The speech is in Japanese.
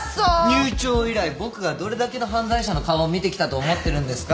入庁以来僕がどれだけの犯罪者の顔を見てきたと思ってるんですか？